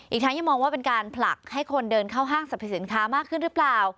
ทั้งยังมองว่าเป็นการผลักให้คนเดินเข้าห้างสรรพสินค้ามากขึ้นหรือเปล่า